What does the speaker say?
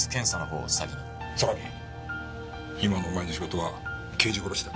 榊今のお前の仕事は刑事殺しだ。